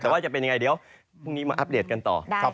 แต่ว่าจะเป็นยังไงเดี๋ยวพรุ่งนี้มาอัปเดตกันต่อนะครับ